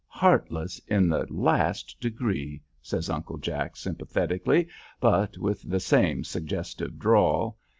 "Heartless in the last degree," says Uncle Jack, sympathetically, but with the same suggestive drawl.